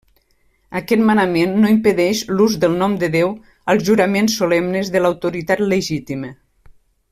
Aquest manament no impedeix l'ús del nom de Déu als juraments solemnes de l'autoritat legítima.